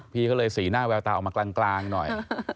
พี่ก็เลยสีหน้าแววตาออกมากลางหน่อย